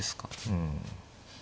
うん。